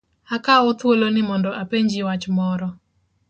Akawo thuolo ni mondo apenji wach moro.